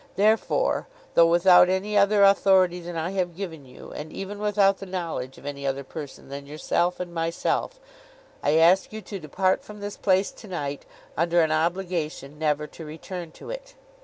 Therefore, though without any other authority than I have given you, and even without the knowledge of any other person than yourself and myself, I ask you to depart from this place to night, under an obligation never to return to it.